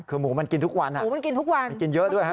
คือหมูมันกินทุกวันมันกินทุกวันมันกินเยอะด้วยครับ